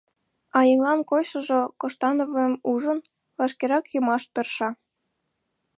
А еҥлан койшыжо, Коштановым ужын, вашкерак йымаш тырша.